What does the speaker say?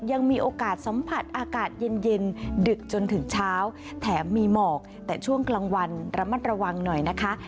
ยังมีโอกาสสัมผัสอากาศเย็นเย็นดึกจนถึงเช้าแถมมีหมอกแต่ช่วงกลางวันระมัดระวังหน่อยนะคะ